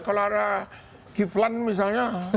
kalau ada kiflan misalnya